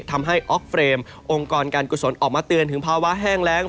ทำให้ออกเฟรมองค์กรการกุศลออกมาเตือนถึงภาวะแห้งแรง